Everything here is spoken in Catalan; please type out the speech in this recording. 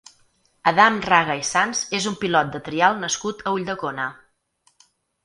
Adam Raga i Sans és un pilot de trial nascut a Ulldecona.